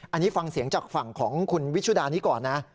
อันนี้ฟังเสียงจากฝั่งของคุณวิชุดานี้ก่อนนะ